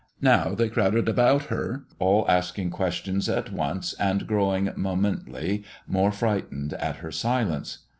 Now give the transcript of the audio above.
Now they crowded about her, all asking questions at once, and growing momently more frightened at her silence.